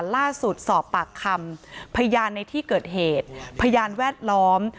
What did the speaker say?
สอบปากคำพยานในที่เกิดเหตุพยานแวดล้อม